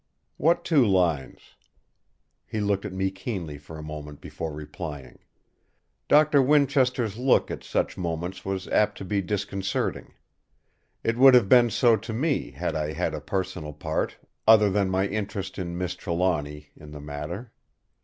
"What two lines?" He looked at me keenly for a moment before replying. Doctor Winchester's look at such moments was apt to be disconcerting. It would have been so to me had I had a personal part, other than my interest in Miss Trelawny, in the matter.